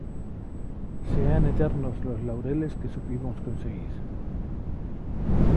Sean eternos los laureles que supimos conseguir,